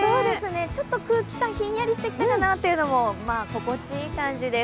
ちょっと空気がひんやりしてきたかなというのも、心地いい感じです。